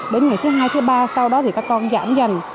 đến ngày thứ hai thứ ba sau đó thì các con giảm dần